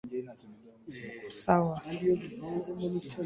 sawa